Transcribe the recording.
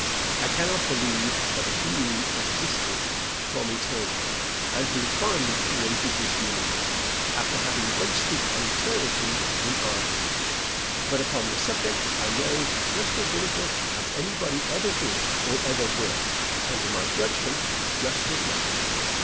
I cannot believe that a being existed from eternity, and who finally created this universe after having wasted an eternity in idleness; but upon this subject I know just as little as anybody ever did or ever will, and, in my judgment, just as much.